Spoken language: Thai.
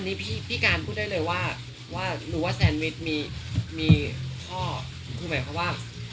อันนี้พี่กานพูดได้เลยว่าว่าหรือว่าแซนบิชมีมีพ่อคุณหมายความว่า